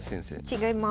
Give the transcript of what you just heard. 違います。